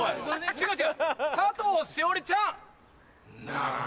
違う違う佐藤栞里ちゃん！